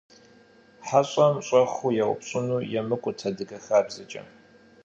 Heş'em ş'exıu yêupş'ınu yêmık'ut, adıge xabzeç'e.